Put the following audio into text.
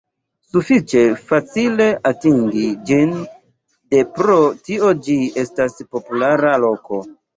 Sufiĉe facile atingi ĝin de pro tio ĝi estas populara loko.